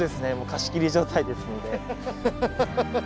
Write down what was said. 貸し切り状態ですので。